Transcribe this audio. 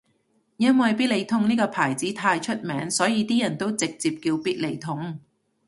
因為必理痛呢個牌子太出名所以啲人都直接叫必理痛